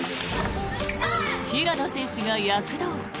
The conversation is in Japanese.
平野選手が躍動。